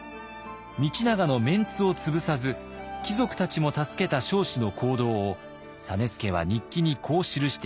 道長のメンツを潰さず貴族たちも助けた彰子の行動を実資は日記にこう記しています。